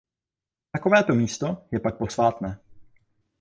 Takovéto místo je pak posvátné.